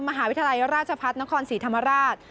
มหาวิทยาลัยราชพัฒนครศรีธรรมราช